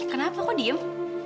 kenapa kok diem